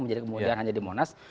menjadi kemudian hanya di monas